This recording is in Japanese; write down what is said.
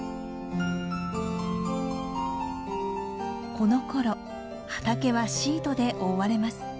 このころ畑はシートで覆われます。